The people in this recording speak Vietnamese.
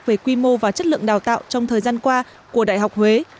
về quy mô và chất lượng đào tạo trong thời gian qua của đại học huế